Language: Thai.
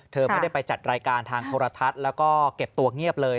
เธอไม่ได้ไปจัดรายการทางโทรทัศน์แล้วก็เก็บตัวเงียบเลย